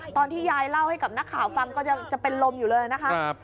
ตอนที่ยายเล่าให้กับนักข่าวฟังก็จะเป็นลมอยู่เลยนะคะ